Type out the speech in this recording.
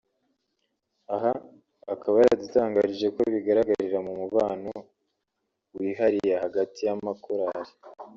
Aha akaba yaradutangarije ko bigaragarira mu mubano wihariya hagati y’amakorali